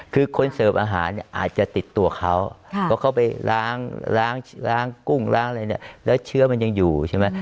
คือคนเสิร์ฟอาหารเนี่ยอาจจะติดตัวเขาเพราะเขาไปล้างกุ้งล้างอะไรเนี่ยแล้วเชื้อมันยังอยู่ใช่ไหม